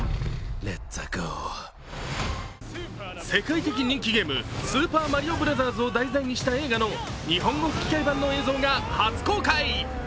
世界的人気ゲーム、「スーパーマリオブラザーズ」を題材にした映画の日本語吹き替え版の映像が初公開。